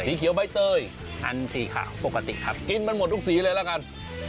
เขียวใบเตยอันสีขาวปกติครับกินมันหมดทุกสีเลยละกัน